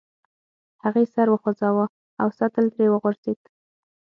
هغې سر وخوزاوه او سطل ترې وغورځید.